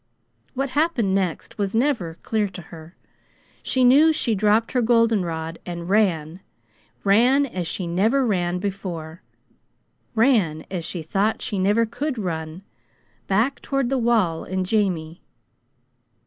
What happened next was never clear to her. She knew she dropped her goldenrod and ran ran as she never ran before, ran as she thought she never could run back toward the wall and Jamie.